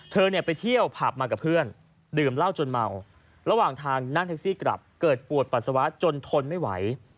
เธอเนี่ยไปเที่ยวผับมากับเพื่อนดื่มเหล้าจนเมาระหว่างทางนั่งแท็กซี่กลับเกิดปวดปัสสาวะจนทนไม่ไหว